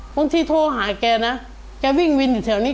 โทรหาแกนะแกวิ่งวินอยู่แถวนี้